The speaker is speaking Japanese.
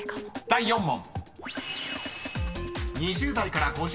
［第４問］